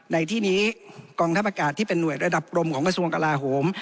ในที่นี้กองทัพอากาศที่เป็นห่วยระดับกรมของกระทรวงกลาโหม